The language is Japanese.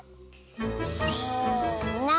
せの。